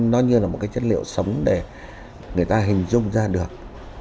nó như là một cái chất liệu sống để người ta hình dung ra được